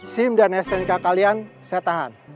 sim dan stnk kalian saya tahan